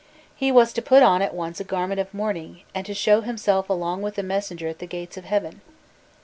He was to put on at once a garment of mourning, and to show himself along with the messenger at the gates of heaven.